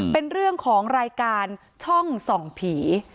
เป็นเรื่องของรายการช่องส่องผี